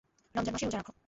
রমযান মাসে রোযা রাখ।